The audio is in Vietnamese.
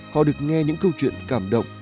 họ được nghe những câu chuyện cảm động